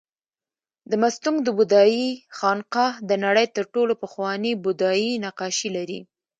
د مستونګ د بودایي خانقاه د نړۍ تر ټولو پخواني بودایي نقاشي لري